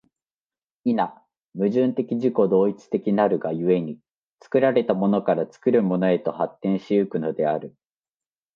否、矛盾的自己同一的なるが故に、作られたものから作るものへと発展し行くのである。